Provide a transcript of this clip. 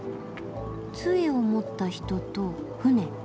つえを持った人と船。